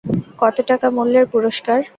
কত টাকা মূল্যের পুরষ্কার?